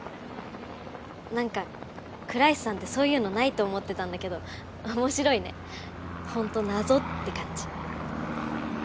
何か倉石さんってそういうのないと思ってたんだけど面白いねホント謎って感じ。